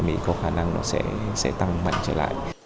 mỹ có khả năng nó sẽ tăng mạnh trở lại